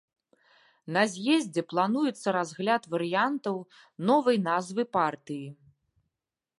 На з'ездзе плануецца разгляд варыянтаў новай назвы партыі.